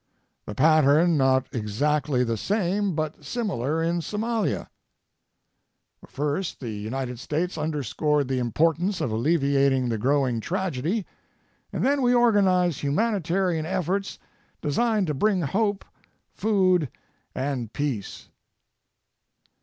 The pattern not exactly the same but similar in Somalia: First the United States underscored the importance of alleviating the growing tragedy, and then we organized humanitarian efforts designed to bring hope, food, and peace.